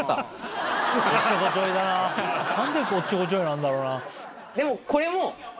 何でおっちょこちょいなんだろうな。